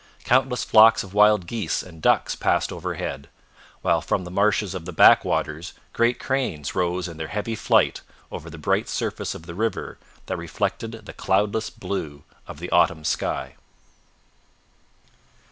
Countless flocks of wild geese and ducks passed overhead, while from the marshes of the back waters great cranes rose in their heavy flight over the bright surface of the river that reflected the cloudless blue of the autumn sky.